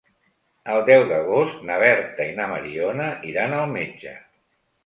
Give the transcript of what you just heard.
El deu d'agost na Berta i na Mariona iran al metge.